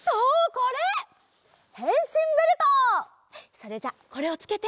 それじゃあこれをつけて。